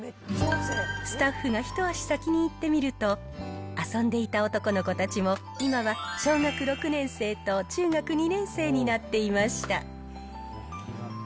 スタッフが一足先に行ってみると、遊んでいた男の子たちも、今は小学６年生と中学２年生になっていました。